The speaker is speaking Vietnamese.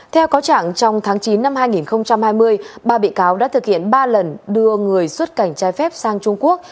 theo cáo trạng trong tháng chín năm hai nghìn hai mươi ba bị cáo đã thực hiện ba lần đưa người xuất cảnh trái phép sang trung quốc